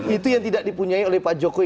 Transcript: itu yang tidak dipunyai oleh pak joko iwo